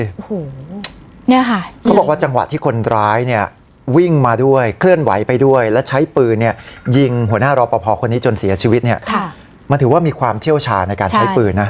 โอ้โหเนี่ยค่ะเขาบอกว่าจังหวะที่คนร้ายเนี่ยวิ่งมาด้วยเคลื่อนไหวไปด้วยแล้วใช้ปืนเนี่ยยิงหัวหน้ารอปภคนนี้จนเสียชีวิตเนี่ยค่ะมันถือว่ามีความเชี่ยวชาญในการใช้ปืนนะ